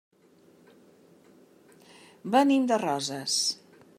Venim de Roses.